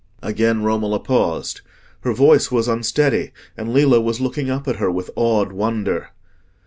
Again Romola paused. Her voice was unsteady, and Lillo was looking up at her with awed wonder.